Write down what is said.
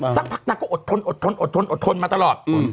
สักพักนางก็อดทนมาตลอด